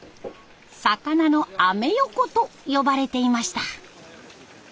「魚のアメ横」と呼ばれていました。